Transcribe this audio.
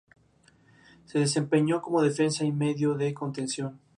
Se desempeñó como defensa y medio de contención.